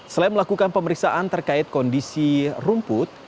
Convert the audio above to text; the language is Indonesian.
selain melakukan pemeriksaan terkait kondisi rumput